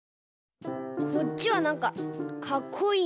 こっちはなんかかっこいいな！